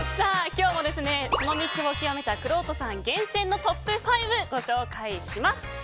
今日もその道を究めたくろうとさん厳選のトップ５をご紹介します。